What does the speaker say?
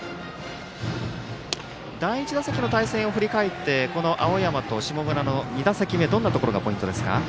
第１打席の対戦を振り返って青山と下村の２打席目どんなところがポイントですか。